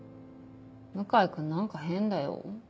向井君何か変だよ。